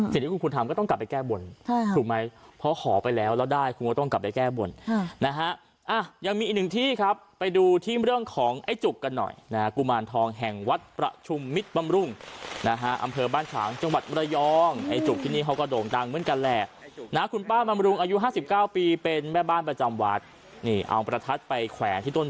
เสร็จที่คุณคุณทำก็ต้องกลับไปแก้บ่น